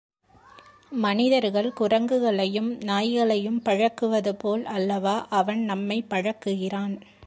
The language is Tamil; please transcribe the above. மனிதர்கள் குரங்குகளையும், நாய்களையும் பழக்குவது போல் அல்லவா அவன் நம்மைப் பழக்குகிறான்?